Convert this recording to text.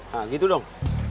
nah gitu dong